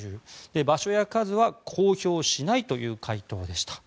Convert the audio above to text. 場所や数は公表しないという回答でした。